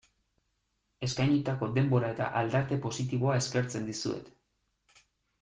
Eskainitako denbora eta aldarte positiboa eskertzen dizuet.